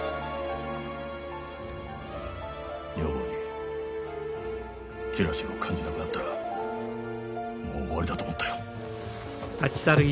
女房にジェラシーを感じなくなったらもう終わりだと思ったよ。